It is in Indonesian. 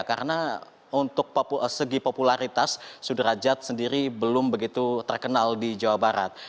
karena untuk segi popularitas sudrajat sendiri belum begitu terkenal di jawa barat